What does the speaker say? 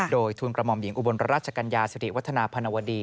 โดยทุนกระหม่อมหญิงอุบลราชกัญญาสิริวัฒนาพนวดี